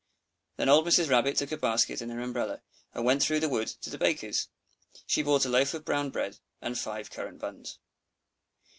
Then old Mrs. Rabbit took a basket and her umbrella, and went through the wood to the baker's. She bought a loaf of brown bread and five currant buns.